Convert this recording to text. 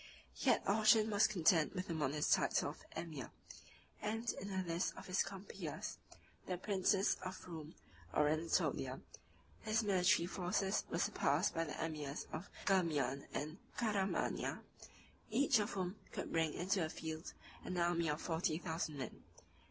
Yet Orchan was content with the modest title of emir; and in the list of his compeers, the princes of Roum or Anatolia, 43 his military forces were surpassed by the emirs of Ghermian and Caramania, each of whom could bring into the field an army of forty thousand men.